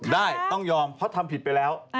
ได้ต้องยอมเพราะทำผิดไปแล้ว